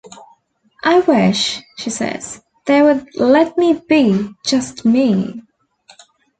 "I wish," she says, "they would let me be just me.